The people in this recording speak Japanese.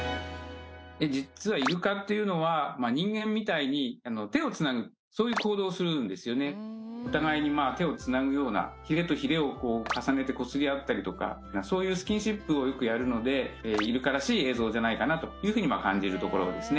実はイルカっていうのは人間みたいに手をつなぐそういう行動をするんですよねお互いに手をつなぐようなヒレとヒレを重ねてこすりあったりとかそういうスキンシップをよくやるのでイルカらしい映像じゃないかなというふうに感じるところですね